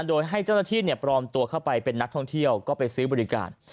โดยให้เจ้าหน้าที่ปลอมตัวเข้าไปเป็นนักท่องเที่ยวก็ไปซื้อบริการ